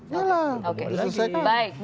ya lah diselesaikan